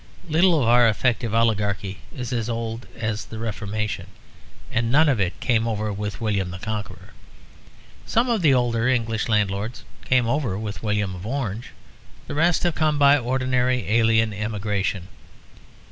Little of our effective oligarchy is as old as the Reformation; and none of it came over with William the Conqueror. Some of the older English landlords came over with William of Orange; the rest have come by ordinary alien immigration.